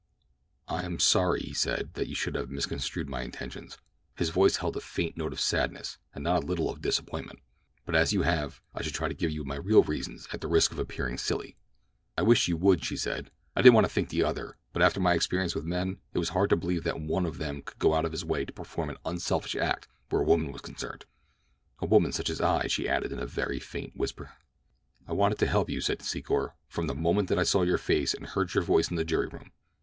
"I am sorry," he said, "that you should have misconstrued my intentions." His voice held a faint note of sadness and not a little of disappointment. "But as you have, I shall try to give you my real reasons at the risk of appearing silly." "I wish you would," she said. "I didn't want to think the other, but after my experience with men, it was hard to believe that one of them could go out of his way to perform an unselfish act where a woman was concerned—a woman such as I," she added in a very faint whisper. "I wanted to help you," said Secor, "from the moment that I saw your face and heard your voice in the jury room.